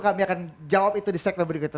kami akan jawab itu di segmen berikutnya